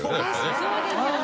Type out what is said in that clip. そうですよね。